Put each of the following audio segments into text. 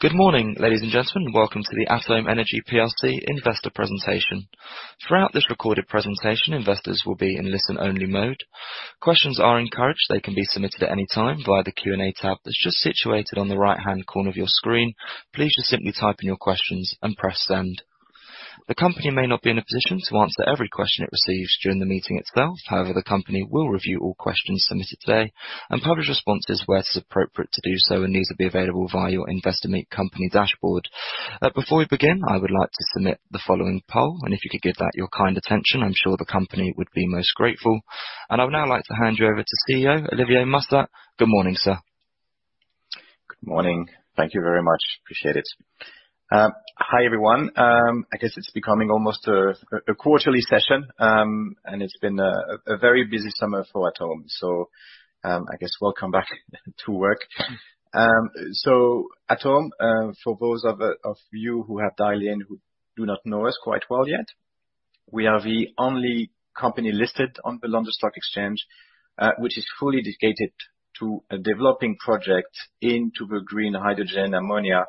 Good morning, ladies and gentlemen. Welcome to the ATOME Energy PLC investor presentation. Throughout this recorded presentation, investors will be in listen-only mode. Questions are encouraged. They can be submitted at any time via the Q&A tab that's just situated on the right-hand corner of your screen. Please just simply type in your questions and press send. The company may not be in a position to answer every question it receives during the meeting itself. However, the company will review all questions submitted today and publish responses where it is appropriate to do so, and these will be available via your Investor Meet Company dashboard. Before we begin, I would like to submit the following poll, and if you could give that your kind attention, I'm sure the company would be most grateful. I would now like to hand you over to CEO, Olivier Mussat. Good morning, sir. Good morning. Thank you very much. Appreciate it. Hi, everyone. I guess it's becoming almost a quarterly session, and it's been a very busy summer for ATOME. I guess welcome back to work. ATOME, for those of you who have dialed in who do not know us quite well yet, we are the only company listed on the London Stock Exchange, which is fully dedicated to developing projects into the green hydrogen, ammonia,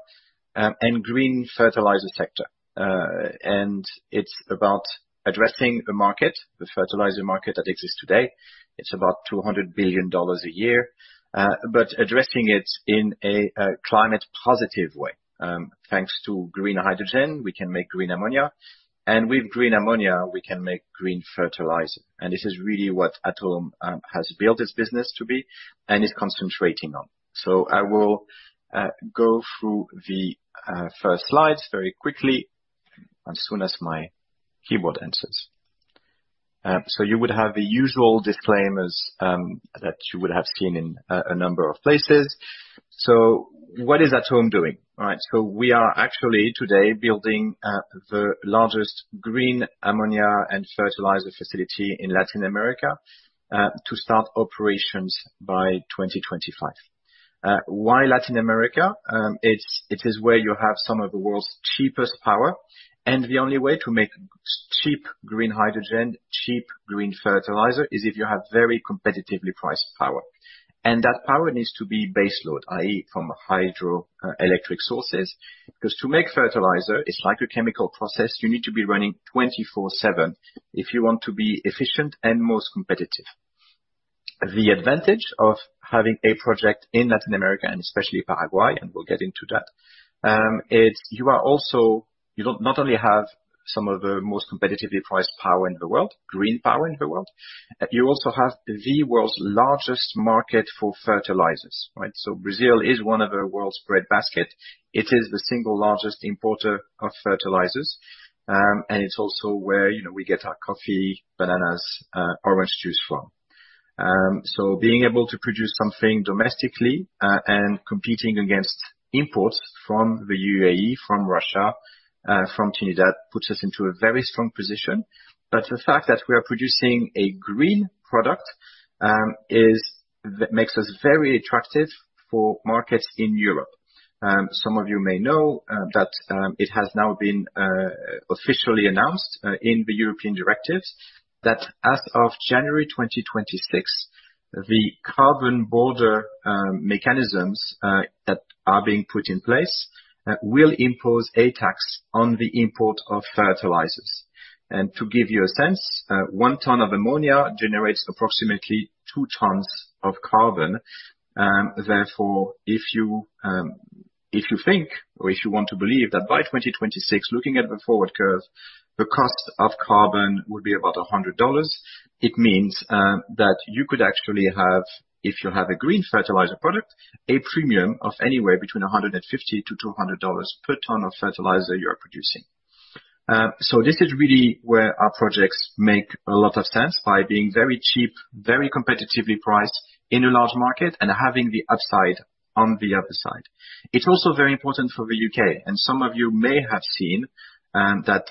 and green fertilizer sector. It's about addressing the market, the fertilizer market that exists today. It's about $200 billion a year, but addressing it in a climate positive way. Thanks to green hydrogen, we can make green ammonia, and with green ammonia, we can make green fertilizer. This is really what ATOME has built its business to be and is concentrating on. I will go through the first slides very quickly as soon as my keyboard answers. You would have the usual disclaimers that you would have seen in a number of places. What is ATOME doing? All right. We are actually today building the largest green ammonia and fertilizer facility in Latin America to start operations by 2025. Why Latin America? It is where you have some of the world's cheapest power and the only way to make cheap green hydrogen, cheap green fertilizer, is if you have very competitively priced power. And that power needs to be base load, i.e., from hydroelectric sources. Because to make fertilizer, it's like a chemical process, you need to be running 24/7 if you want to be efficient and most competitive. The advantage of having a project in Latin America, and especially Paraguay, and we'll get into that, you not only have some of the most competitively priced power in the world, green power in the world, you also have the world's largest market for fertilizers. Right? Brazil is one of the world's breadbasket. It is the single largest importer of fertilizers, and it's also where we get our coffee, bananas, orange juice from. Being able to produce something domestically, and competing against imports from the UAE, from Russia, from Trinidad, puts us into a very strong position. The fact that we are producing a green product makes us very attractive for markets in Europe. Some of you may know that it has now been officially announced in the European directives that as of January 2026, the carbon border mechanisms that are being put in place will impose a tax on the import of fertilizers. To give you a sense, 1 ton of ammonia generates approximately 2 tons of carbon. Therefore, if you think or if you want to believe that by 2026, looking at the forward curve, the cost of carbon would be about $100. It means that you could actually have, if you have a green fertilizer product, a premium of anywhere between $150-$200 per ton of fertilizer you are producing. This is really where our projects make a lot of sense by being very cheap, very competitively priced in a large market, and having the upside on the other side. It's also very important for the U.K., and some of you may have seen that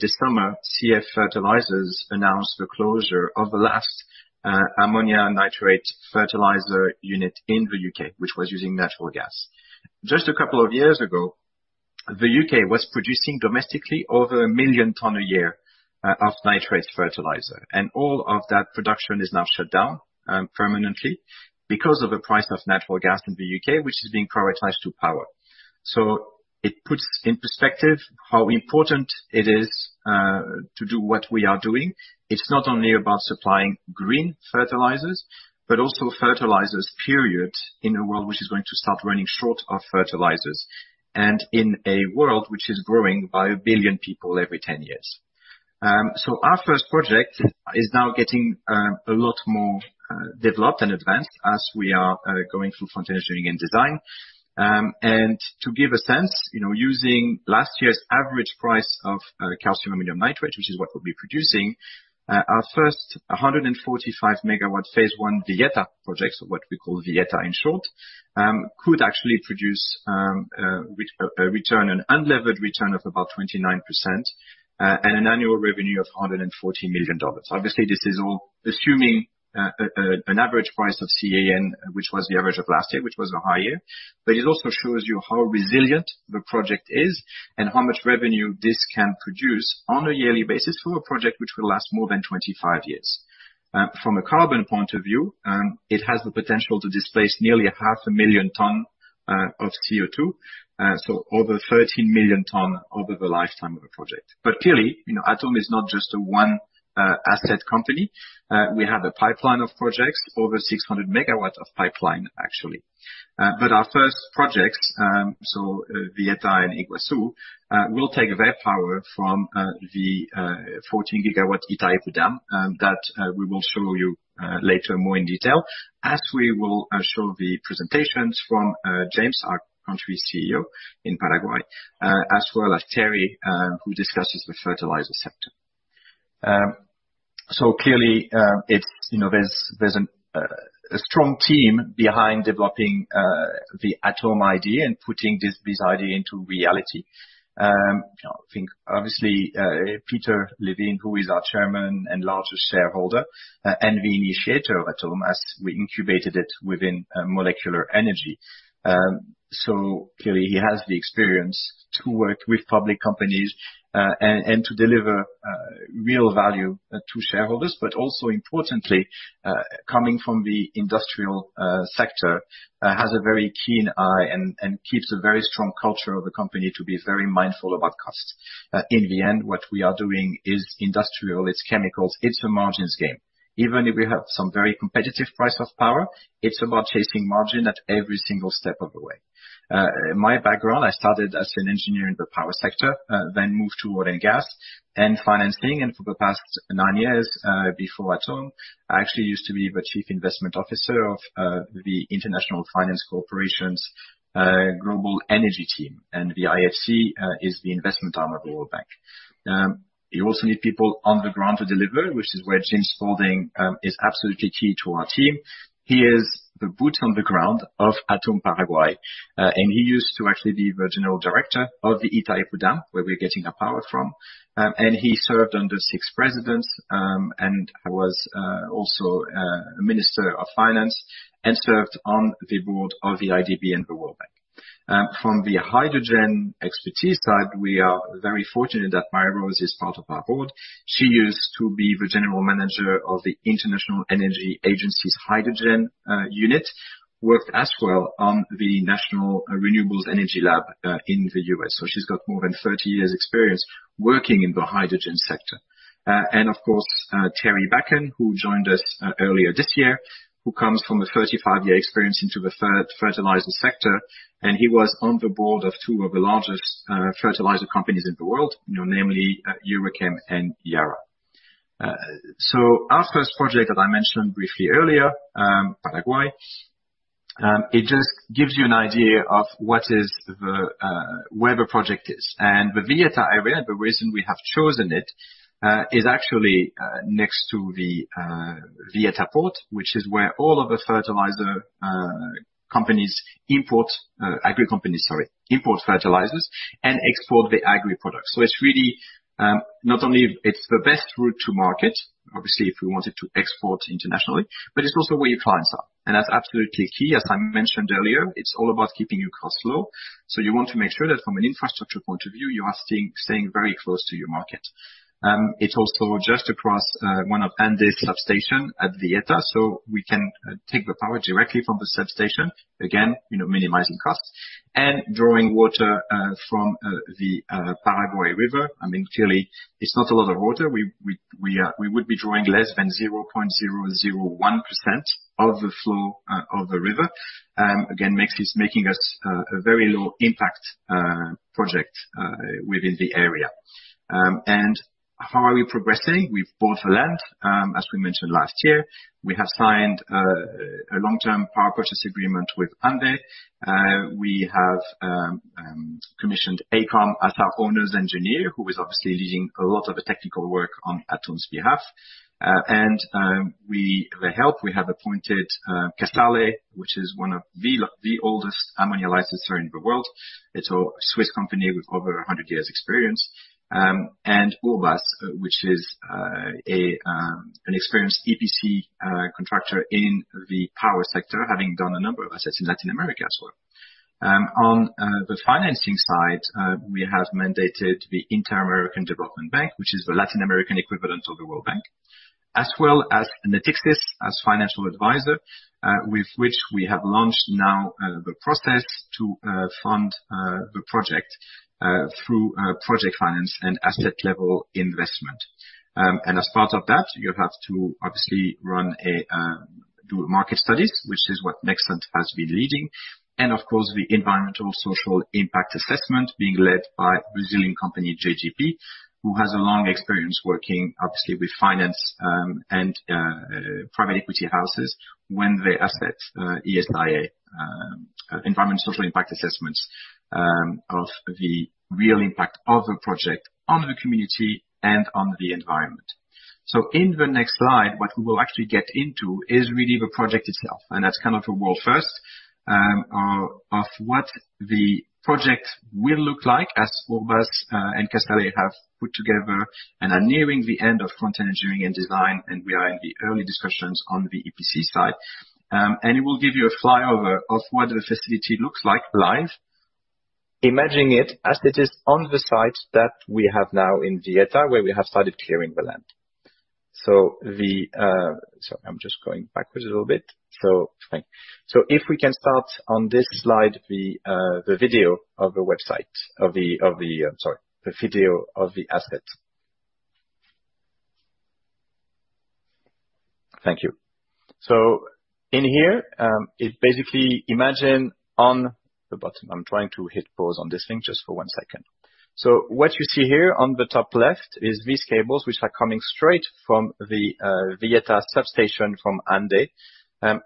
this summer, CF Fertilisers announced the closure of the last ammonium nitrate fertilizer unit in the U.K., which was using natural gas. Just a couple of years ago, the U.K. was producing domestically over 1 million tons a year of nitrate fertilizer, and all of that production is now shut down permanently because of the price of natural gas in the U.K., which is being prioritized to power. It puts in perspective how important it is to do what we are doing. It's not only about supplying green fertilizers, but also fertilizers. In a world which is going to start running short of fertilizers, and in a world which is growing by 1 billion people every 10 years. Our first project is now getting a lot more developed and advanced as we are going through front-end engineering and design. To give a sense, using last year's average price of calcium ammonium nitrate, which is what we'll be producing, our first 145 MW phase one Villeta project, so what we call Villeta in short, could actually produce an unlevered return of about 29% and an annual revenue of $140 million. Obviously, this is all assuming an average price of CAN, which was the average of last year, which was a high year. It also shows you how resilient the project is and how much revenue this can produce on a yearly basis for a project which will last more than 25 years. From a carbon point of view, it has the potential to displace nearly 500,000 tons of CO2. Over 13 million tons over the lifetime of the project. Clearly, ATOME is not just a one asset company. We have a pipeline of projects, over 600 MW of pipeline, actually. Our first project, Villeta and Yguazu, will take their power from the 14 GW Itaipu Dam, that we will show you later in more detail, as we will show the presentations from James, our Country CEO in Paraguay, as well as Terje, who discusses the fertilizer sector. Clearly, there's a strong team behind developing the ATOME idea and putting this idea into reality. I think, obviously, Peter Levine, who is our Chairman and largest shareholder, and the initiator of ATOME, as we incubated it within Molecular Energy. Clearly he has the experience to work with public companies, and to deliver real value to shareholders, but also importantly, coming from the industrial sector, has a very keen eye and keeps a very strong culture of the company to be very mindful about costs. In the end, what we are doing is industrial, it's chemicals, it's a margins game. Even if we have some very competitive price of power, it's about chasing margin at every single step of the way. My background, I started as an engineer in the power sector, then moved to oil and gas, and financing. For the past nine years, before ATOME, I actually used to be the Chief Investment Officer of the International Finance Corporation's global energy team, and the IFC is the investment arm of World Bank. You also need people on the ground to deliver, which is where James Spalding is absolutely key to our team. He is the boot on the ground of ATOME Paraguay. He used to actually be the General Director of the Itaipu Dam, where we're getting our power from. He served under six presidents, and was also Minister of Finance, and served on the board of the IDB and the World Bank. From the hydrogen expertise side, we are very fortunate that Mary-Rose is part of our board. She used to be the General Manager of the International Energy Agency's hydrogen unit, worked as well on the National Renewable Energy Laboratory, in the U.S. She's got more than 30 years experience working in the hydrogen sector. Of course, Terje Bakken, who joined us earlier this year, who comes from a 35-year experience into the fertilizer sector, and he was on the board of two of the largest fertilizer companies in the world, namely EuroChem and Yara. Our first project that I mentioned briefly earlier, Paraguay, it just gives you an idea of where the project is. The Villeta area, the reason we have chosen it, is actually next to the Villeta Port, which is where all of the agri companies import fertilizers and export the agri products. It's really, not only it's the best route to market, obviously if we wanted to export internationally, but it's also where your clients are. That's absolutely key. As I mentioned earlier, it's all about keeping your costs low. You want to make sure that from an infrastructure point of view, you are staying very close to your market. It's also just across one of ANDE's substation at Villeta, so we can take the power directly from the substation, again, minimizing costs, drawing water from the Paraguay River. Clearly, it's not a lot of water. We would be drawing less than 0.001% of the flow of the river. Again, making us a very low impact project within the area. How are we progressing? We've bought land, as we mentioned last year. We have signed a long-term Power Purchase Agreement with ANDE. We have commissioned AECOM as our owner's engineer, who is obviously leading a lot of the technical work on ATOME's behalf. To help, we have appointed Casale, which is one of the oldest ammonia licensors in the world. It's a Swiss company with over 100 years' experience. Obrascón, which is an experienced EPC contractor in the power sector, having done a number of assets in Latin America as well. On the financing side, we have mandated the Inter-American Development Bank, which is the Latin American equivalent of the World Bank, as well as Natixis as financial advisor, with which we have launched now the process to fund the project through project finance and asset level investment. As part of that, you have to obviously do market studies, which is what Nexant has been leading, and of course, the Environmental Social Impact Assessment being led by Brazilian company JGP, who has a long experience working obviously with finance, and private equity houses when the asset ESIA, Environmental Social Impact Assessments of the real impact of the project on the community and on the environment. In the next slide, what we will actually get into is really the project itself, and that's kind of a world first, of what the project will look like as Obrascón and Casale have put together and are nearing the end of front-end engineering and design, and we are in the early discussions on the EPC side. It will give you a flyover of what the facility looks like live, imagining it as it is on the site that we have now in Villeta, where we have started clearing the land. Sorry, I'm just going backwards a little bit. Thanks. If we can start on this slide, the video of the website. I'm sorry, the video of the asset. Thank you. In here is basically imagine on the bottom. I'm trying to hit pause on this thing just for one second. What you see here on the top left is these cables which are coming straight from the Villeta substation from ANDE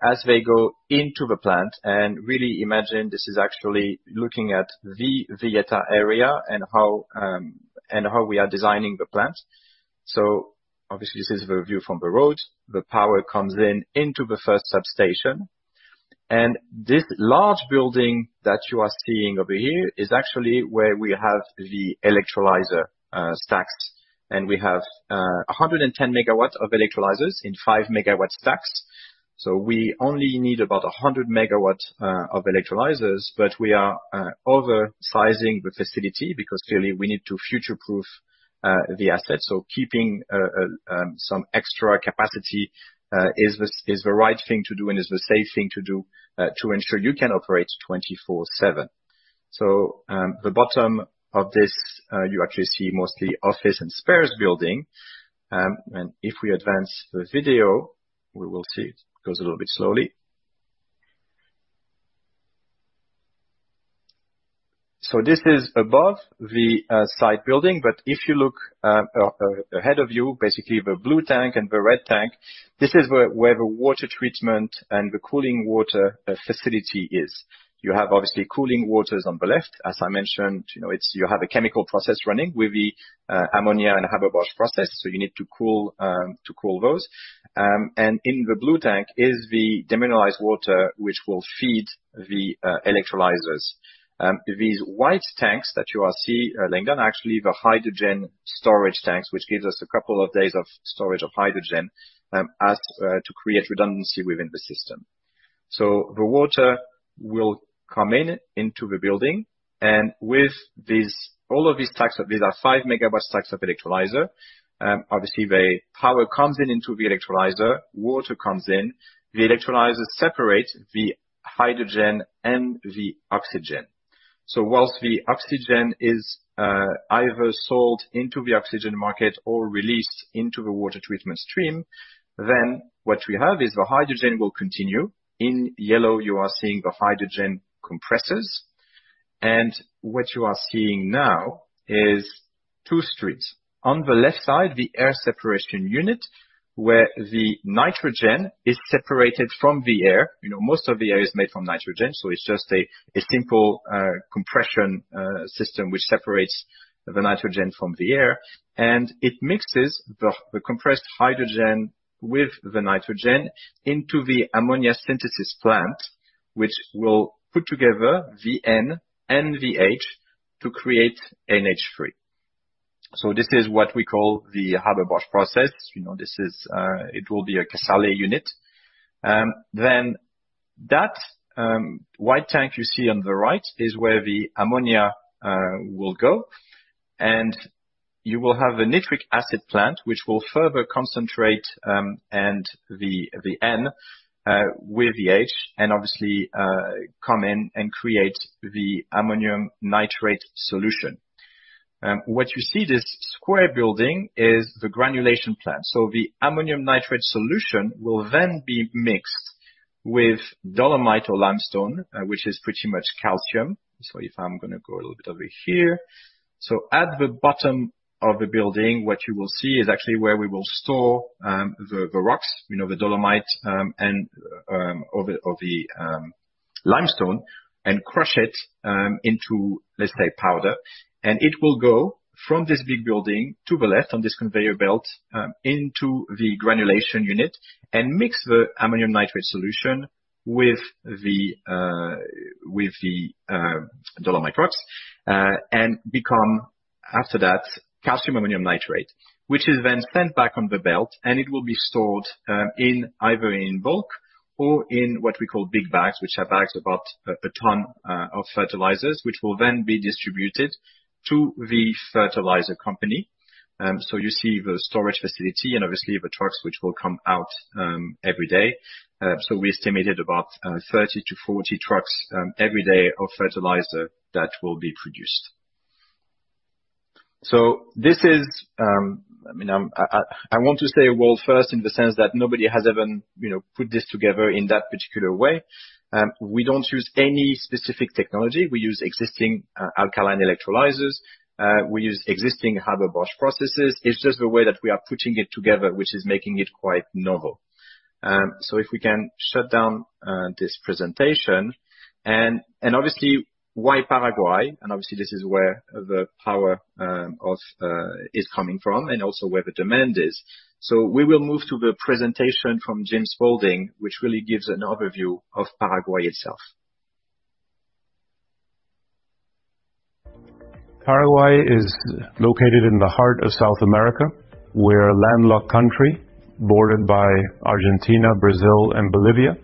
as they go into the plant. Really imagine this is actually looking at the Villeta area and how we are designing the plant. Obviously this is the view from the road. The power comes in into the first substation, and this large building that you are seeing over here is actually where we have the electrolyzer stacks. We have 110 MW of electrolyzers in 5 MW stacks. We only need about 100 MW of electrolyzers, but we are oversizing the facility because clearly we need to future-proof the asset. Keeping some extra capacity is the right thing to do and is the safe thing to do, to ensure you can operate 24/7. The bottom of this, you actually see mostly office and spares building. If we advance the video, we will see. It goes a little bit slowly. This is above the site building, but if you look ahead of you, basically the blue tank and the red tank, this is where the water treatment and the cooling water facility is. You have obviously cooling waters on the left. As I mentioned, you have a chemical process running with the ammonia and Haber-Bosch process, so you need to cool those. In the blue tank is the demineralized water, which will feed the electrolyzers. These white tanks that you are seeing are actually the hydrogen storage tanks, which gives us a couple of days of storage of hydrogen as to create redundancy within the system. The water will come in into the building and with all of these stacks, these are 5 MW stacks of electrolyzer. Obviously, the power comes in into the electrolyzer, water comes in, the electrolyzer separates the hydrogen and the oxygen. While the oxygen is either sold into the oxygen market or released into the water treatment stream, then what we have is the hydrogen will continue. In yellow, you are seeing the hydrogen compressors. What you are seeing now is two streams. On the left side, the air separation unit, where the nitrogen is separated from the air. Most of the air is made from nitrogen, so it's just a simple compression system which separates the nitrogen from the air, and it mixes the compressed hydrogen with the nitrogen into the ammonia synthesis plant, which will put together the N and the H to create NH3. This is what we call the Haber-Bosch process. It will be a Casale unit. That white tank you see on the right is where the ammonia will go, and you will have a nitric acid plant, which will further concentrate the N with the H and obviously, come in and create the ammonium nitrate solution. What you see, this square building is the granulation plant. The ammonium nitrate solution will then be mixed with dolomite or limestone, which is pretty much calcium. If I'm going to go a little bit over here. At the bottom of the building, what you will see is actually where we will store the rocks, the dolomite or the limestone and crush it into, let's say, powder. It will go from this big building to the left on this conveyor belt, into the granulation unit and mix the ammonium nitrate solution with the dolomite rocks, and become, after that, calcium ammonium nitrate. Which is then sent back on the belt and it will be stored either in bulk or in what we call big bags, which are bags about a ton of fertilizers, which will then be distributed to the fertilizer company. You see the storage facility and obviously the trucks which will come out every day. We estimated about 30-40 trucks every day of fertilizer that will be produced. I want to say a world first in the sense that nobody has ever put this together in that particular way. We don't use any specific technology. We use existing alkaline electrolyzers. We use existing Haber-Bosch processes. It's just the way that we are putting it together, which is making it quite novel. If we can shut down this presentation. Obviously, why Paraguay? Obviously this is where the power is coming from and also where the demand is. We will move to the presentation from James Spalding, which really gives an overview of Paraguay itself. Paraguay is located in the heart of South America. We're a landlocked country bordered by Argentina, Brazil, and Bolivia.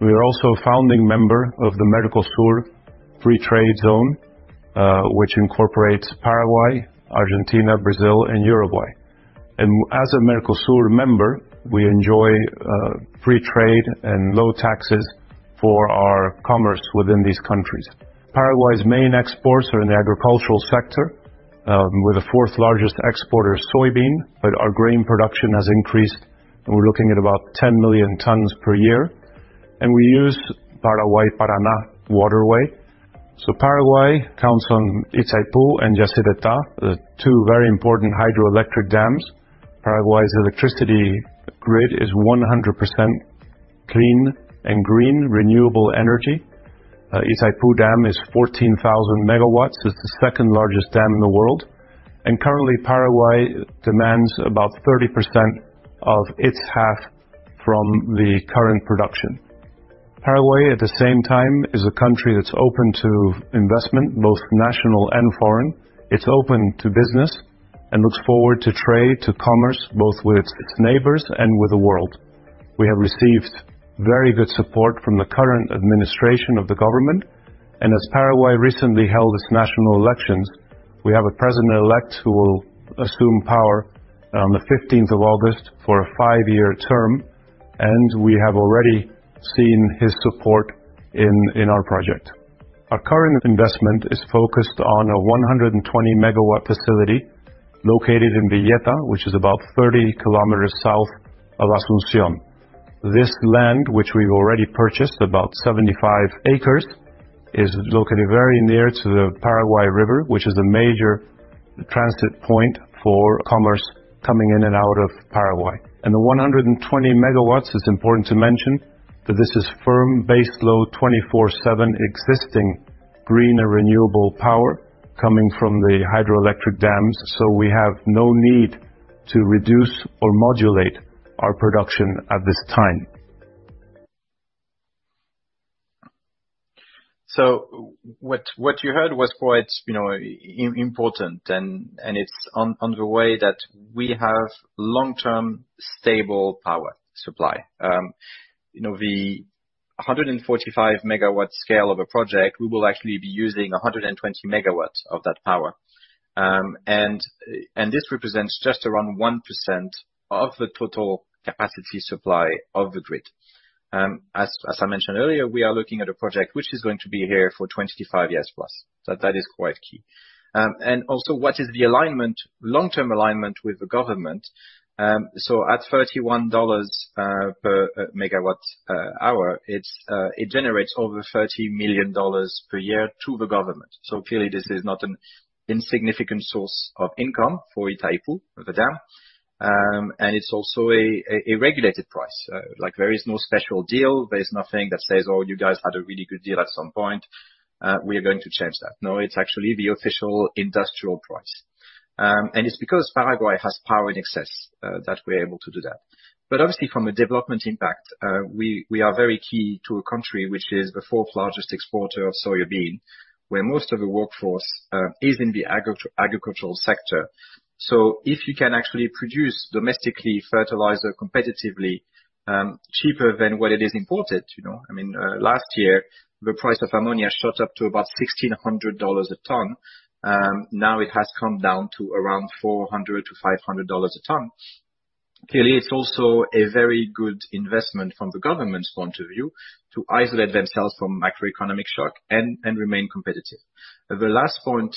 We are also a founding member of the Mercosur free trade zone, which incorporates Paraguay, Argentina, Brazil, and Uruguay. As a Mercosur member, we enjoy free trade and low taxes for our commerce within these countries. Paraguay's main exports are in the agricultural sector. We're the fourth largest exporter of soybean, but our grain production has increased, and we're looking at about 10 million tons per year, and we use Paraguay-Paraná waterway. Paraguay counts on Itaipu and Yacyretá, the two very important hydroelectric dams. Paraguay's electricity grid is 100% clean and green, renewable energy. Itaipu Dam is 14,000 MW. It's the second-largest dam in the world. Currently, Paraguay demands about 30% of its half from the current production. Paraguay, at the same time, is a country that's open to investment, both national and foreign. It's open to business and looks forward to trade, to commerce, both with its neighbors and with the world. We have received very good support from the current administration of the government, and as Paraguay recently held its national elections, we have a president-elect who will assume power on the August 15th for a five-year term, and we have already seen his support in our project. Our current investment is focused on a 120 MW facility located in Villeta, which is about 30 km south of Asunción. This land, which we've already purchased, about 75 acres, is located very near to the Paraguay River, which is a major transit point for commerce coming in and out of Paraguay. The 120 MW, it's important to mention that this is firm baseload, 24/7 existing green and renewable power coming from the hydroelectric dams, so we have no need to reduce or modulate our production at this time. What you heard was quite important, and it's on the way that we have long-term stable power supply. The 145 MW scale of a project, we will actually be using 120 MW of that power. This represents just around 1% of the total capacity supply of the grid. As I mentioned earlier, we are looking at a project which is going to be here for 25+ years. That is quite key. Also what is the alignment, long-term alignment with the government. At $31 per megawatt hour, it generates over $30 million per year to the government. Clearly this is not an insignificant source of income for Itaipu, the dam, and it's also a regulated price. There is no special deal. There is nothing that says, "Oh, you guys had a really good deal at some point. We are going to change that. No, it's actually the official industrial price. It's because Paraguay has power in excess, that we're able to do that. Obviously from a development impact, we are very key to a country which is the fourth largest exporter of soybean, where most of the workforce is in the agricultural sector. If you can actually produce domestically fertilizer competitively cheaper than what it is imported. Last year the price of ammonia shot up to about $1,600 a ton. Now it has come down to around $400-$500 a ton. Clearly, it's also a very good investment from the government's point of view to isolate themselves from macroeconomic shock and remain competitive. The last point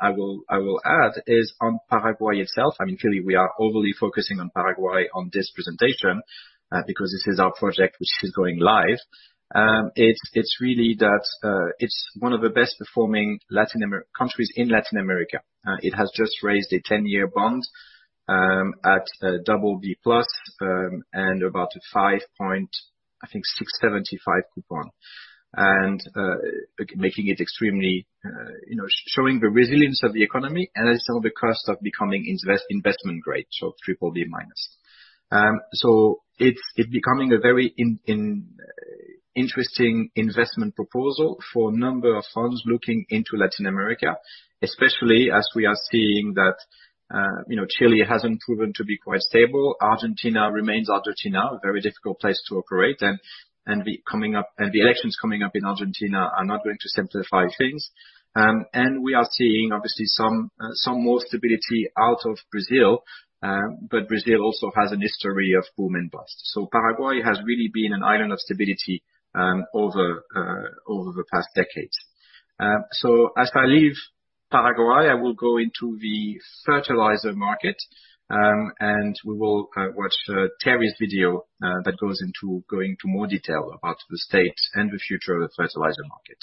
I will add is on Paraguay itself. Clearly, we are overly focusing on Paraguay on this presentation, because this is our project which is going live. It's one of the best performing countries in Latin America. It has just raised a 10-year bond, at BB+, and about a 5.755% coupon. Making it extremely showing the resilience of the economy and also the cost of becoming investment grade, so BBB-. It's becoming a very interesting investment proposal for a number of funds looking into Latin America, especially as we are seeing that Chile hasn't proven to be quite stable. Argentina remains Argentina, a very difficult place to operate and the elections coming up in Argentina are not going to simplify things. We are seeing obviously some more stability out of Brazil, but Brazil also has a history of boom and bust. Paraguay has really been an island of stability over the past decades. As I leave Paraguay, I will go into the fertilizer market, and we will watch Terje's video that goes into more detail about the state and the future of the fertilizer market.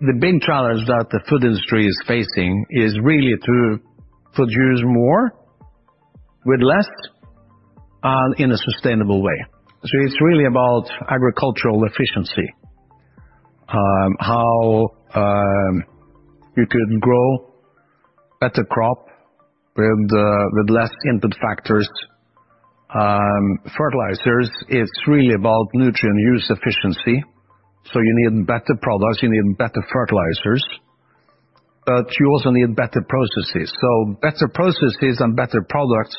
The big challenge that the food industry is facing is really to produce more with less and in a sustainable way. It's really about agricultural efficiency, how you could grow better crop with less input factors. Fertilizers, it's really about nutrient use efficiency. You need better products, you need better fertilizers, but you also need better processes. Better processes and better products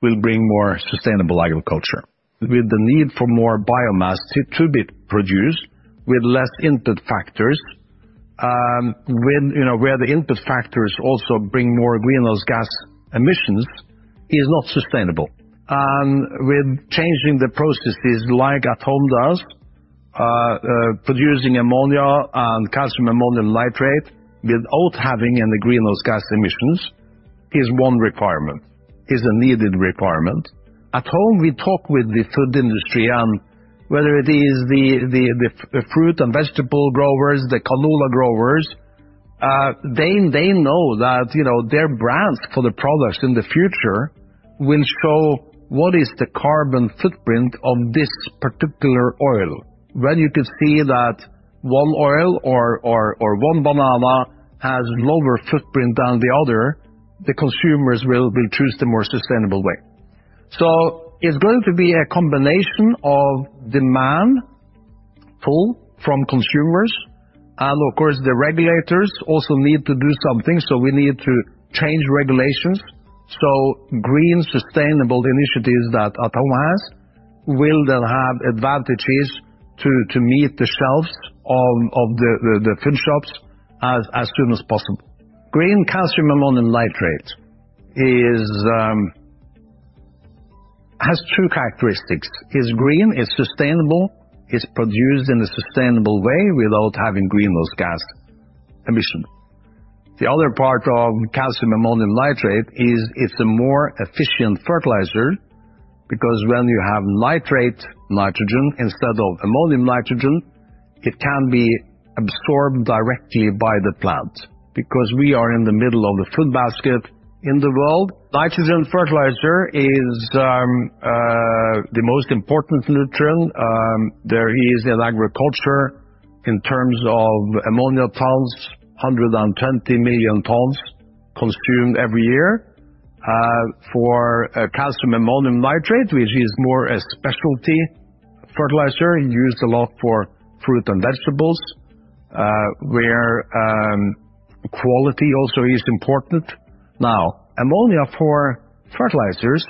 will bring more sustainable agriculture. With the need for more biomass to be produced with less input factors, where the input factors also bring more greenhouse gas emissions, is not sustainable. With changing the processes like ATOME does, producing ammonia and calcium ammonium nitrate without having any greenhouse gas emissions is a needed requirement. At ATOME, we talk with the food industry, and whether it is the fruit and vegetable growers, the canola growers, they know that their brands for the products in the future will show what is the carbon footprint of this particular oil. When you can see that one oil or one banana has lower footprint than the other, the consumers will choose the more sustainable way. It's going to be a combination of demand pull from consumers and, of course, the regulators also need to do something. We need to change regulations. Green sustainable initiatives that ATOME has will then have advantages to meet the shelves of the food shops as soon as possible. Green calcium ammonium nitrate has two characteristics. It's green, it's sustainable, it's produced in a sustainable way without having greenhouse gas emission. The other part of calcium ammonium nitrate is it's a more efficient fertilizer, because when you have nitrate nitrogen instead of ammonium nitrogen, it can be absorbed directly by the plant. Because we are in the middle of the food basket in the world, nitrogen fertilizer is the most important nutrient. There is, in agriculture, in terms of ammonia tons, 120 million tons consumed every year. For calcium ammonium nitrate, which is more a specialty fertilizer, used a lot for fruit and vegetables, where quality also is important. Now, ammonia for fertilizers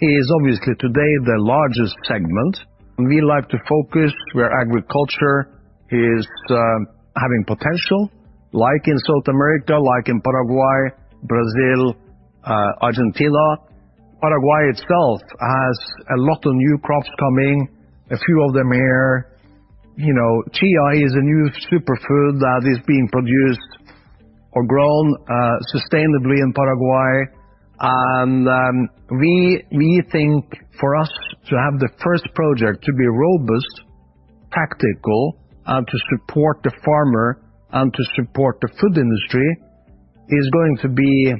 is obviously today the largest segment. We like to focus where agriculture is having potential, like in South America, like in Paraguay, Brazil, Argentina. Paraguay itself has a lot of new crops coming. A few of them are, chia is a new superfood that is being produced or grown sustainably in Paraguay. We think for us to have the first project to be robust, tactical, and to support the farmer and to support the food industry is going to be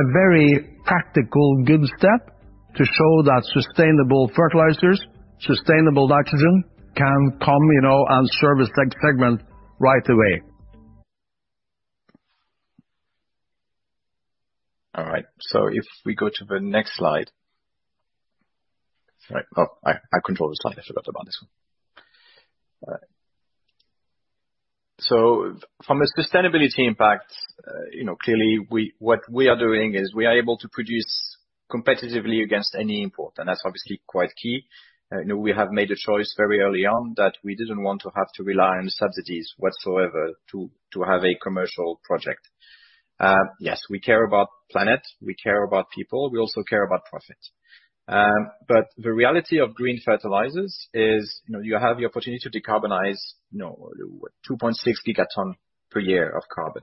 a very tactical, good step to show that sustainable fertilizers, sustainable nitrogen can come and service that segment right away. All right. If we go to the next slide. Sorry. Oh, I control the slide. I forgot about this one. All right. From a sustainability impact, clearly what we are doing is we are able to produce competitively against any import, and that's obviously quite key. We have made a choice very early on that we didn't want to have to rely on subsidies whatsoever to have a commercial project. Yes, we care about planet, we care about people, we also care about profit. But the reality of green fertilizers is you have the opportunity to decarbonize 2.6 gigaton per year of carbon.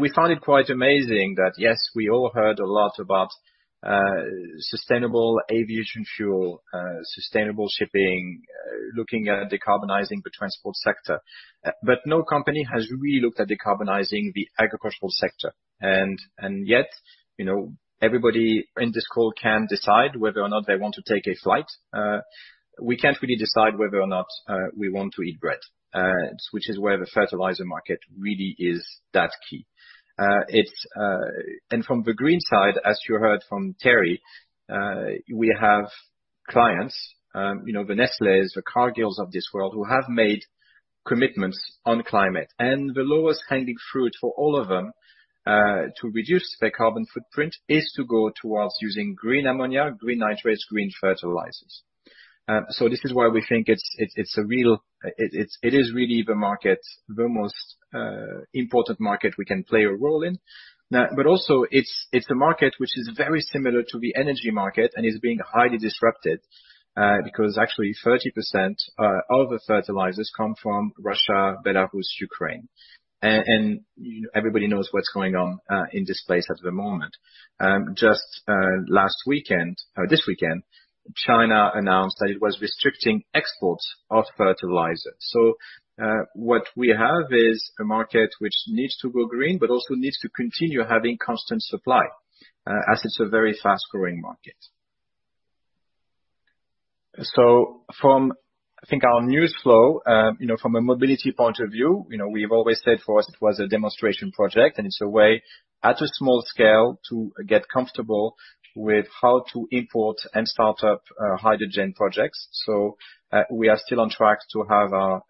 We find it quite amazing that, yes, we all heard a lot about sustainable aviation fuel, sustainable shipping, looking at decarbonizing the transport sector. No company has really looked at decarbonizing the agricultural sector. Yet everybody in this call can decide whether or not they want to take a flight. We can't really decide whether or not we want to eat bread, which is where the fertilizer market really is that key. From the green side, as you heard from Terje, we have clients, the Nestlés, the Cargills of this world, who have made commitments on climate. The lowest hanging fruit for all of them, to reduce their carbon footprint, is to go towards using green ammonia, green nitrates, green fertilizers. This is why we think it is really the most important market we can play a role in. Also it's a market which is very similar to the energy market and is being highly disrupted, because actually 30% of the fertilizers come from Russia, Belarus, Ukraine. Everybody knows what's going on in this place at the moment. Just this weekend, China announced that it was restricting exports of fertilizer. What we have is a market which needs to go green, but also needs to continue having constant supply, as it's a very fast-growing market. From, I think, our news flow, from a mobility point of view, we've always said for us it was a demonstration project, and it's a way, at a small scale, to get comfortable with how to import and start up hydrogen projects. We are still on track to have our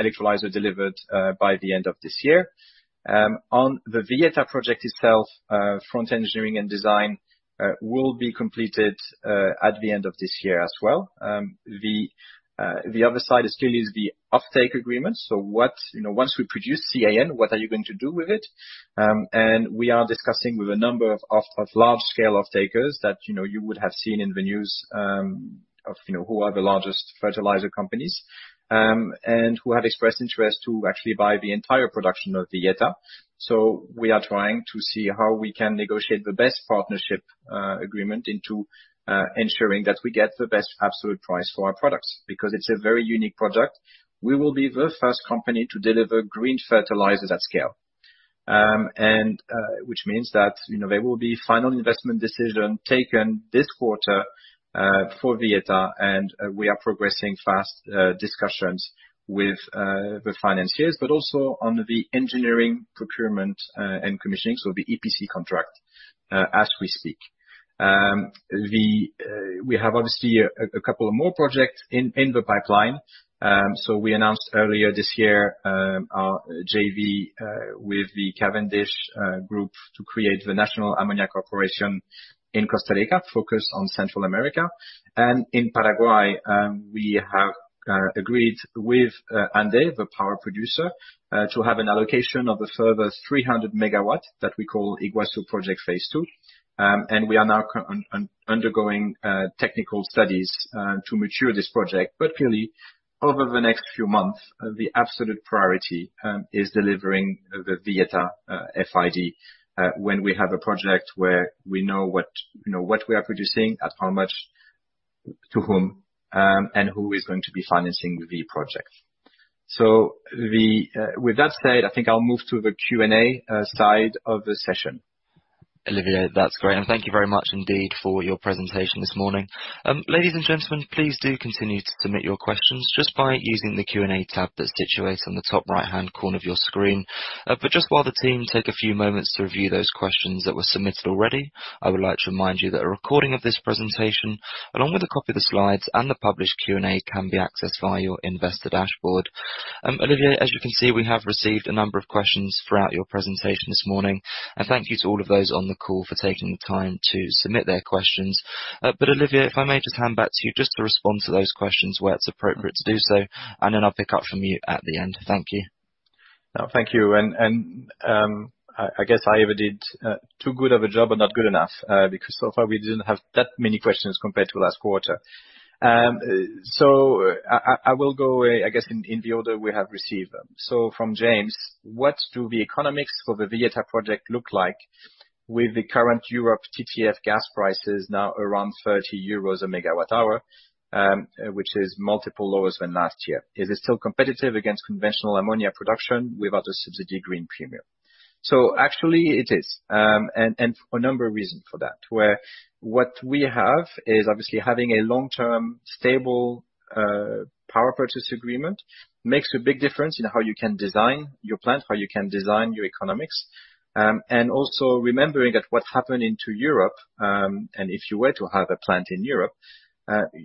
electrolyzer delivered by the end of this year. On the Villeta project itself, front engineering and design will be completed at the end of this year as well. The other side still is the offtake agreement. Once we produce CAN, what are you going to do with it? We are discussing with a number of large-scale offtakers that you would have seen in the news of who are the largest fertilizer companies, and who have expressed interest to actually buy the entire production of the Villeta. We are trying to see how we can negotiate the best partnership agreement into ensuring that we get the best absolute price for our products. Because it's a very unique product. We will be the first company to deliver green fertilizers at scale. Which means that there will be Final Investment Decision taken this quarter, for Villeta, and we are progressing fast discussions with the financiers. Also on the engineering, procurement and commissioning, so the EPC contract, as we speak. We have, obviously, a couple of more projects in the pipeline. We announced earlier this year our JV with the Cavendish Group to create the National Ammonia Corporation in Costa Rica, focused on Central America. In Paraguay, we have agreed with ANDE, the power producer, to have an allocation of a further 300 MW that we call Yguazu Project phase two. We are now undergoing technical studies to mature this project. Clearly, over the next few months, the absolute priority is delivering the Villeta FID, when we have a project where we know what we are producing, at how much, to whom, and who is going to be financing the project. With that said, I think I'll move to the Q&A side of the session. Olivier, that's great. Thank you very much indeed for your presentation this morning. Ladies and gentlemen, please do continue to submit your questions just by using the Q&A tab that's situated on the top right-hand corner of your screen. Just while the team take a few moments to review those questions that were submitted already, I would like to remind you that a recording of this presentation, along with a copy of the slides and the published Q&A, can be accessed via your investor dashboard. Olivier, as you can see, we have received a number of questions throughout your presentation this morning, and thank you to all of those on the call for taking the time to submit their questions. Olivier, if I may just hand back to you just to respond to those questions where it's appropriate to do so, and then I'll pick up from you at the end. Thank you. Thank you. I guess I either did too good of a job or not good enough, because so far we didn't have that many questions compared to last quarter. I will go ahead, I guess, in the order we have received them. From James, "What do the economics for the Villeta project look like with the current Europe TTF gas prices now around 30 euros a megawatt hour, which is multiples lower than last year? Is it still competitive against conventional ammonia production without a subsidy green premium?" Actually it is, and a number of reasons for that, where what we have is obviously having a long-term stable power purchase agreement makes a big difference in how you can design your plant, how you can design your economics. Also remembering that what happened in Europe, and if you were to have a plant in Europe,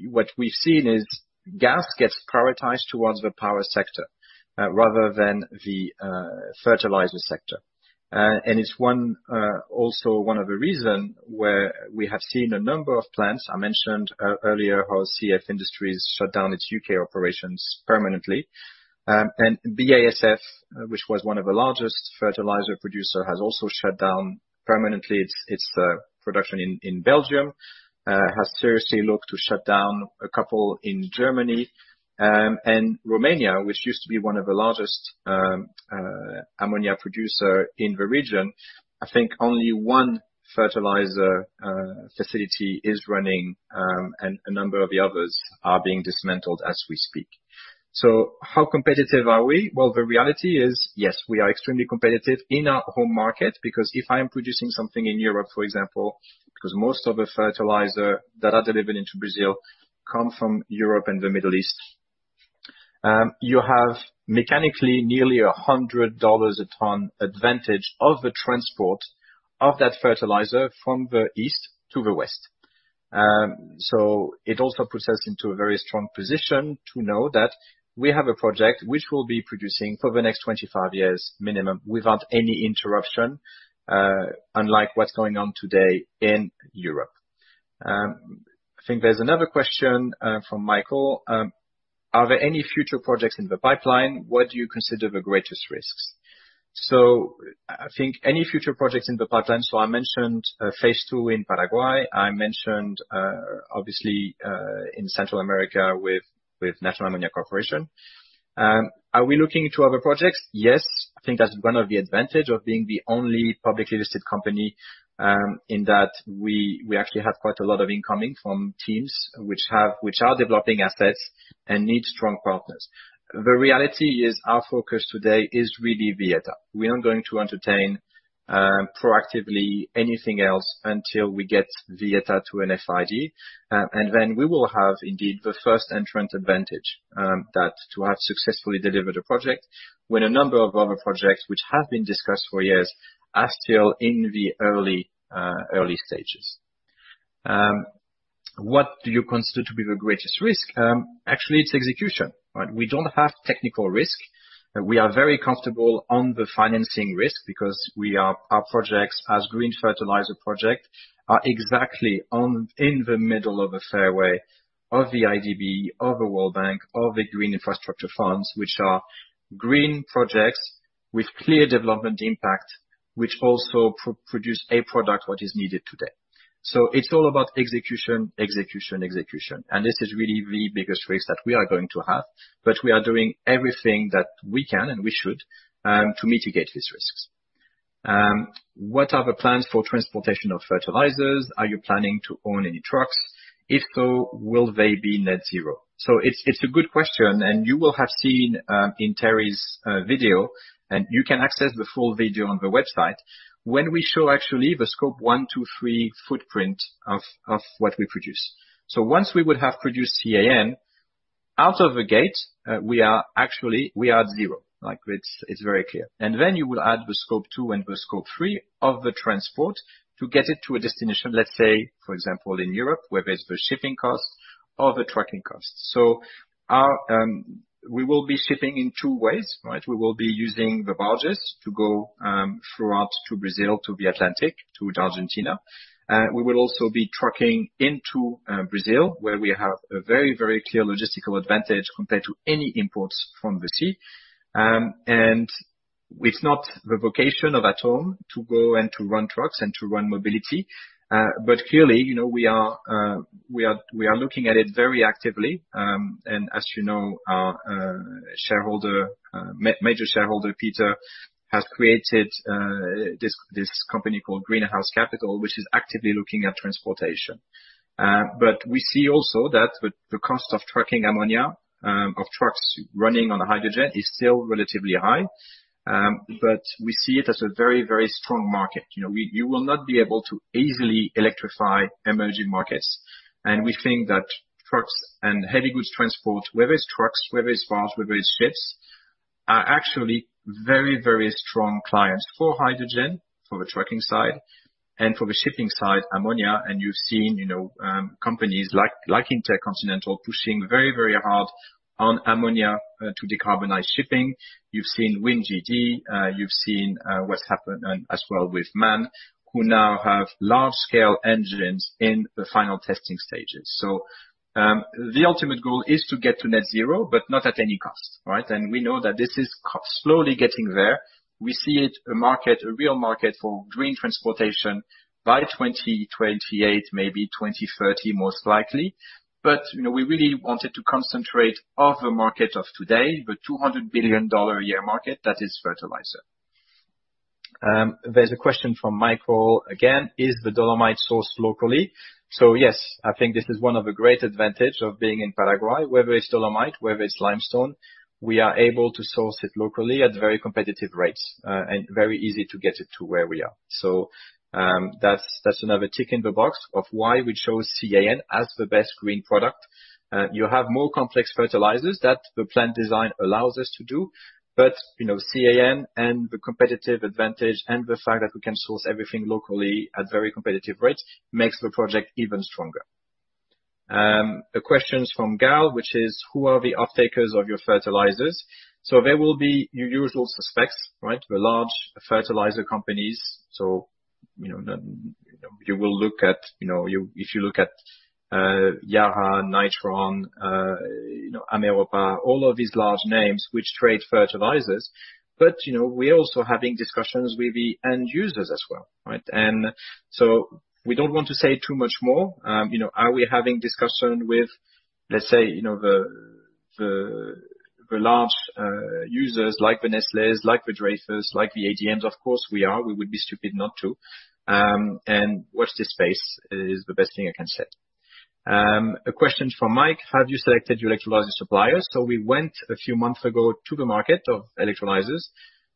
what we've seen is gas gets prioritized towards the power sector rather than the fertilizer sector. It's also one of the reasons where we have seen a number of plants. I mentioned earlier how CF Industries shut down its U.K. operations permanently. BASF, which was one of the largest fertilizer producer, has also shut down permanently its production in Belgium, has seriously looked to shut down a couple in Germany. Romania, which used to be one of the largest ammonia producer in the region, I think only one fertilizer facility is running, and a number of the others are being dismantled as we speak. How competitive are we? Well, the reality is, yes, we are extremely competitive in our home market, because if I am producing something in Europe, for example, because most of the fertilizer that are delivered into Brazil come from Europe and the Middle East, you have mechanically nearly $100 a ton advantage of the transport of that fertilizer from the east to the west. It also puts us into a very strong position to know that we have a project which will be producing for the next 25 years minimum without any interruption, unlike what's going on today in Europe. I think there's another question from Michael. "Are there any future projects in the pipeline? What do you consider the greatest risks?" I think any future projects in the pipeline. I mentioned phase two in Paraguay. I mentioned, obviously, in Central America with National Ammonia Corporation. Are we looking to other projects? Yes. I think that's one of the advantage of being the only publicly listed company, in that we actually have quite a lot of incoming from teams which are developing assets and need strong partners. The reality is our focus today is really Villeta. We are going to entertain proactively anything else until we get Villeta to an FID. Then we will have, indeed, the first entrant advantage to have successfully delivered a project, when a number of other projects which have been discussed for years are still in the early stages. What do you consider to be the greatest risk? Actually, it's execution. We don't have technical risk. We are very comfortable on the financing risk because our projects as green fertilizer project are exactly in the middle of a fairway of the IDB, of the World Bank, of the green infrastructure funds, which are green projects with clear development impact, which also produce a product what is needed today. It's all about execution. This is really the biggest risk that we are going to have, but we are doing everything that we can and we should to mitigate these risks. What are the plans for transportation of fertilizers? Are you planning to own any trucks? If so, will they be net zero? It's a good question, and you will have seen in Terje's video, and you can access the full video on the website, when we show actually the Scope 1, 2, 3 footprint of what we produce. Once we would have produced CAN out of the gate, we are at zero. It's very clear. Then you will add the Scope 2 and the Scope 3 of the transport to get it to a destination, let's say, for example, in Europe, whether it's the shipping costs or the trucking costs. We will be shipping in two ways. We will be using the barges to go throughout to Brazil to the Atlantic to Argentina. We will also be trucking into Brazil, where we have a very clear logistical advantage compared to any imports from the sea. It's not the vocation of ATOME to go and to run trucks and to run mobility. Clearly, we are looking at it very actively. As you know, our major shareholder, Peter, has created this company called Green House Capital, which is actively looking at transportation. We see also that the cost of trucking ammonia, of trucks running on hydrogen is still relatively high. We see it as a very strong market. You will not be able to easily electrify emerging markets. We think that trucks and heavy goods transport, whether it's trucks, whether it's barges, whether it's ships, are actually very strong clients for hydrogen, for the trucking side and for the shipping side, ammonia. You've seen companies like Intercontinental pushing very hard on ammonia to decarbonize shipping. You've seen WinGD. You've seen what's happened as well with MAN, who now have large scale engines in the final testing stages. The ultimate goal is to get to net zero, but not at any cost, right? We know that this is slowly getting there. We see it as a real market for green transportation by 2028, maybe 2030, most likely. We really wanted to concentrate on the market of today, the $200 billion a year market that is fertilizer. There's a question from Michael again. Is the dolomite sourced locally? Yes, I think this is one of the great advantage of being in Paraguay. Whether it's dolomite, whether it's limestone, we are able to source it locally at very competitive rates, and very easy to get it to where we are. That's another tick in the box of why we chose CAN as the best green product. You have more complex fertilizers that the plant design allows us to do, but CAN and the competitive advantage and the fact that we can source everything locally at very competitive rates makes the project even stronger. A question from Gal, which is, who are the offtakers of your fertilizers? There will be your usual suspects, the large fertilizer companies. If you look at Yara, Nitron, Ameropa, all of these large names which trade fertilizers. We're also having discussions with the end users as well. We don't want to say too much more. Are we having discussion with, let's say, the large users like the Nestlés, like the Dreyfus, like the ADMs? Of course, we are. We would be stupid not to. Watch this space is the best thing I can say. A question from Mike, have you selected your electrolyzer suppliers? We went a few months ago to the market of electrolyzers,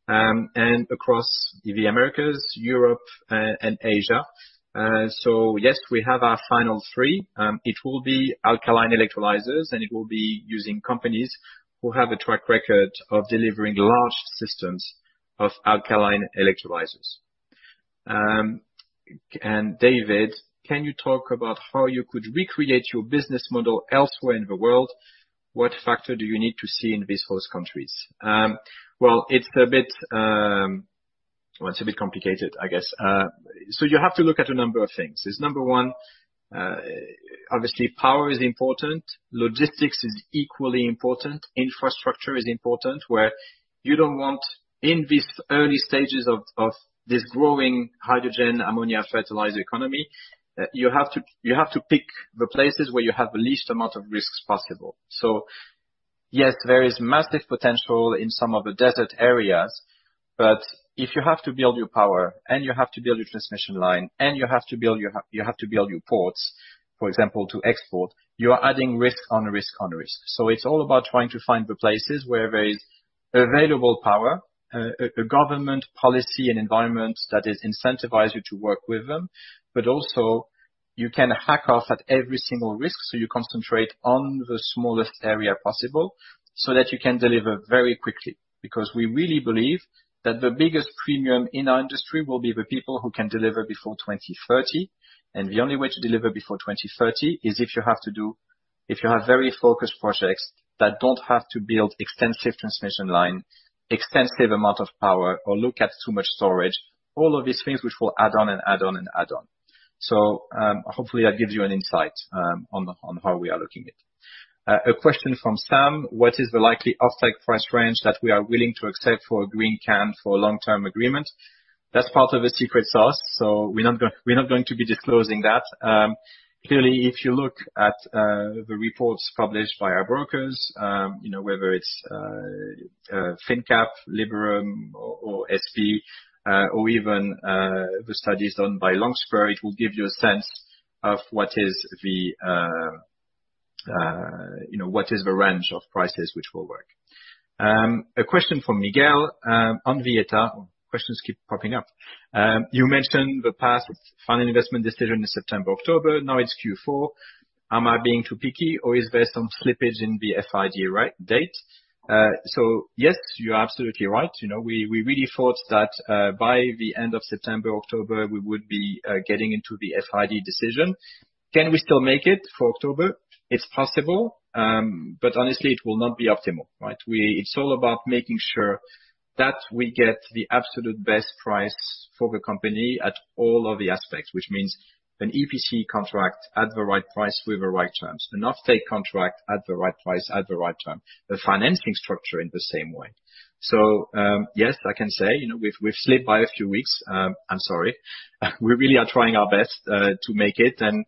and across the Americas, Europe, and Asia. Yes, we have our final three. It will be alkaline electrolyzers, and it will be using companies who have a track record of delivering large systems of alkaline electrolyzers. David, can you talk about how you could recreate your business model elsewhere in the world? What factor do you need to see in these host countries? Well, it's a bit complicated, I guess. You have to look at a number of things, is number one, obviously power is important. Logistics is equally important. Infrastructure is important, where you don't want in these early stages of this growing hydrogen ammonia fertilizer economy, you have to pick the places where you have the least amount of risks possible. Yes, there is massive potential in some of the desert areas, but if you have to build your power, and you have to build your transmission line, and you have to build your ports, for example, to export, you are adding risk on risk on risk. It's all about trying to find the places where there is available power, a government policy and environment that incentivizes you to work with them, but also you can knock off every single risk, so you concentrate on the smallest area possible, so that you can deliver very quickly. Because we really believe that the biggest premium in our industry will be the people who can deliver before 2030. The only way to deliver before 2030 is if you have very focused projects that don't have to build extensive transmission lines, extensive amounts of power, or look at too much storage, all of these things which will add on and add on and add on. Hopefully that gives you an insight on how we are looking at it. A question from Sam: What is the likely offtake price range that we are willing to accept for a green CAN for a long-term agreement? That's part of the secret sauce, so we're not going to be disclosing that. Clearly, if you look at the reports published by our brokers, whether it's finnCap, Liberum or SP, or even the studies done by Longspur, it will give you a sense of what is the range of prices which will work. A question from Miguel on Villeta. Questions keep popping up. You mentioned the past Final Investment Decision in September, October, now it's Q4. Am I being too picky, or is based on slippage in the FID date? Yes, you're absolutely right. We really thought that by the end of September, October, we would be getting into the FID decision. Can we still make it for October? It's possible, but honestly, it will not be optimal. It's all about making sure that we get the absolute best price for the company at all of the aspects, which means an EPC contract at the right price with the right terms, an offtake contract at the right price at the right time, the financing structure in the same way. Yes, I can say, we've slipped by a few weeks. I'm sorry. We really are trying our best to make it, and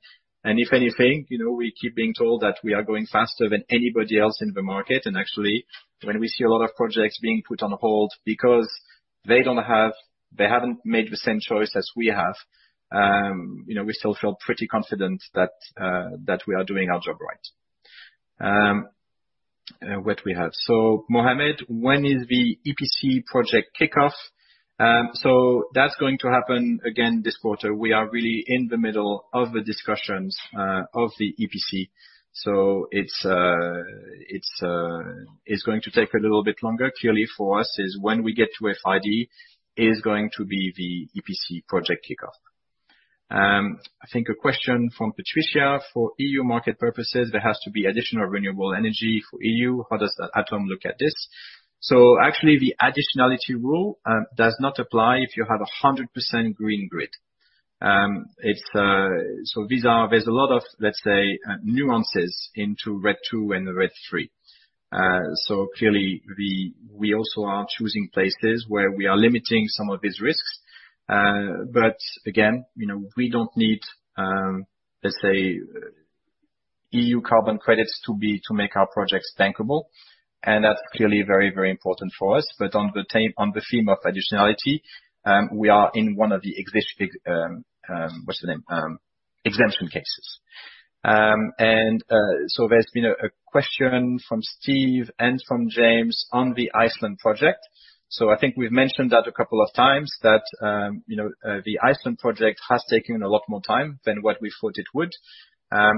if anything, we keep being told that we are going faster than anybody else in the market. Actually, when we see a lot of projects being put on hold because they haven't made the same choice as we have, we still feel pretty confident that we are doing our job right. What we have? Mohammed, when is the EPC project kickoff? That's going to happen again this quarter. We are really in the middle of the discussions, of the EPC. It's going to take a little bit longer. Clearly for us is when we get to FID, is going to be the EPC project kickoff. I think a question from Patricia: For EU market purposes, there has to be additional renewable energy. For EU, how does ATOME look at this? Actually, the additionality rule does not apply if you have 100% green grid. There's a lot of, let's say, nuances into RED II and RED III. Clearly we also are choosing places where we are limiting some of these risks. Again, we don't need, let's say, EU carbon credits to make our projects bankable, and that's clearly very important for us. On the theme of additionality, we are in one of the exemption cases. There's been a question from Steve and from James on the Iceland project. I think we've mentioned that a couple of times that the Iceland project has taken a lot more time than what we thought it would.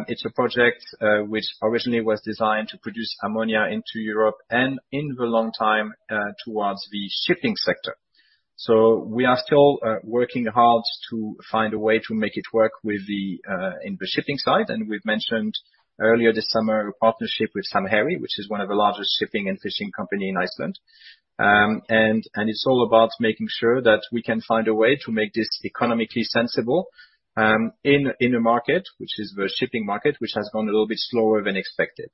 It's a project which originally was designed to produce ammonia into Europe and in the long term, towards the shipping sector. We are still working hard to find a way to make it work in the shipping side. We've mentioned earlier this summer, a partnership with Samherji, which is one of the largest shipping and fishing company in Iceland. It's all about making sure that we can find a way to make this economically sensible in a market, which is the shipping market, which has gone a little bit slower than expected.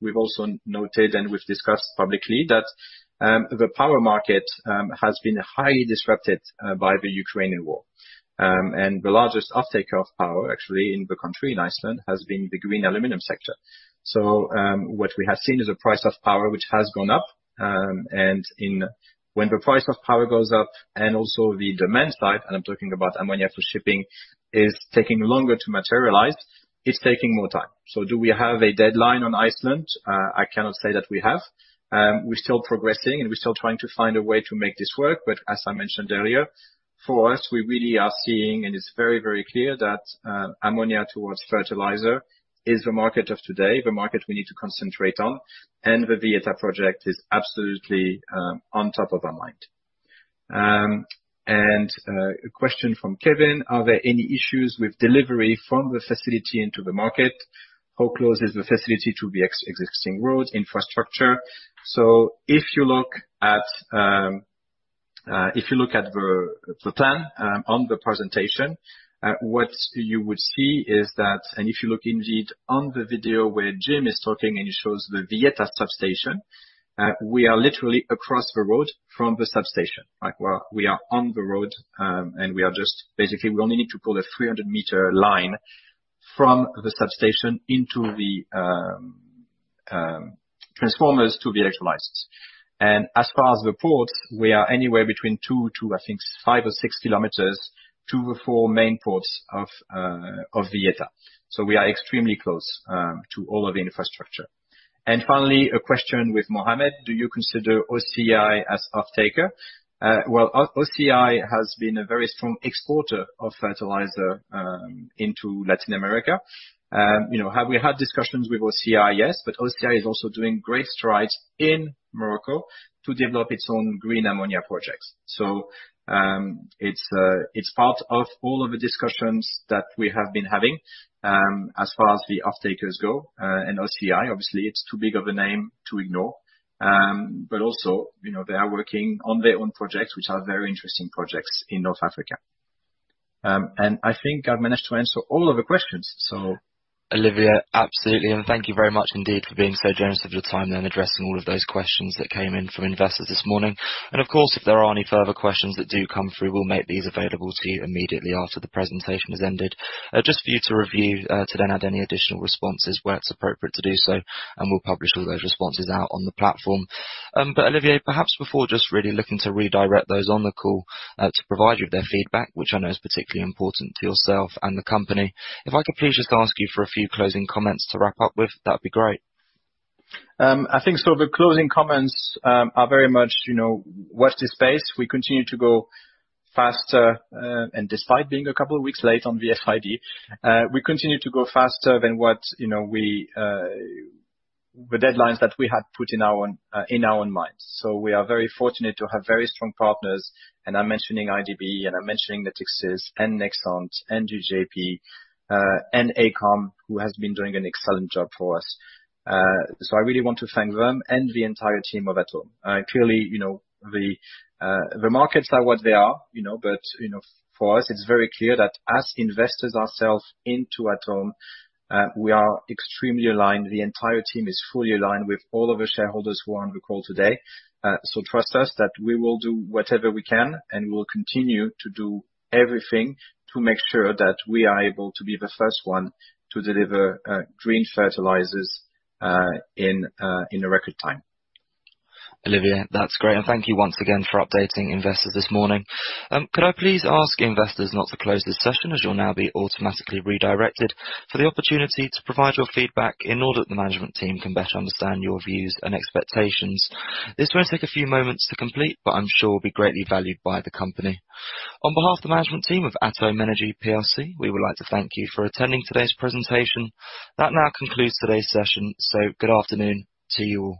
We've also noted, and we've discussed publicly, that the power market has been highly disrupted by the Ukrainian war. The largest offtake of power actually in the country, in Iceland, has been the green aluminum sector. What we have seen is a price of power which has gone up, and when the price of power goes up, and also the demand side, and I'm talking about ammonia for shipping, is taking longer to materialize, it's taking more time. Do we have a deadline on Iceland? I cannot say that we have. We're still progressing, and we're still trying to find a way to make this work. As I mentioned earlier, for us, we really are seeing, and it's very, very clear that ammonia towards fertilizer is the market of today, the market we need to concentrate on, and the Villeta project is absolutely on top of our mind. A question from Kevin: Are there any issues with delivery from the facility into the market? How close is the facility to the existing roads, infrastructure? If you look at the plan on the presentation, what you would see is that, and if you look indeed on the video where Jim is talking, and he shows the Villeta substation, we are literally across the road from the substation. We are on the road, and we are just basically, we only need to pull a 300 m line from the substation into the transformers to the electrolyzers. As far as the port, we are anywhere between 2 km to, I think, 5 km or 6 km to the four main ports of Villeta. We are extremely close to all of the infrastructure. Finally, a question with Mohammed, do you consider OCI as off-taker? Well, OCI has been a very strong exporter of fertilizer into Latin America. Have we had discussions with OCI? Yes. OCI is also making great strides in Morocco to develop its own green ammonia projects. It's part of all of the discussions that we have been having, as far as the off-takers go. OCI, obviously, it's too big of a name to ignore. They are working on their own projects, which are very interesting projects in North Africa. I think I've managed to answer all of the questions. Olivier, absolutely. Thank you very much indeed for being so generous with your time then addressing all of those questions that came in from investors this morning. Of course, if there are any further questions that do come through, we'll make these available to you immediately after the presentation has ended. Just for you to review, to then add any additional responses where it's appropriate to do so, and we'll publish all those responses out on the platform. Olivier, perhaps before just really looking to redirect those on the call to provide you with their feedback, which I know is particularly important to yourself and the company, if I could please just ask you for a few closing comments to wrap up with, that'd be great. I think so the closing comments are very much, watch this space. We continue to go faster, and despite being a couple of weeks late on the FID, we continue to go faster than the deadlines that we had put in our own minds. We are very fortunate to have very strong partners, and I'm mentioning IDB, and I'm mentioning Natixis, and Nexant, and JGP, and AECOM, who has been doing an excellent job for us. I really want to thank them and the entire team of ATOME. Clearly, the markets are what they are, but for us, it's very clear that as investors ourselves into ATOME, we are extremely aligned. The entire team is fully aligned with all of the shareholders who are on the call today. Trust us that we will do whatever we can, and we will continue to do everything to make sure that we are able to be the first one to deliver green fertilizers in a record time. Olivier, that's great. Thank you once again for updating investors this morning. Could I please ask investors not to close this session as you'll now be automatically redirected for the opportunity to provide your feedback in order that the management team can better understand your views and expectations. This will only take a few moments to complete, but I'm sure will be greatly valued by the company. On behalf of the management team of ATOME Energy PLC, we would like to thank you for attending today's presentation. That now concludes today's session, so good afternoon to you all.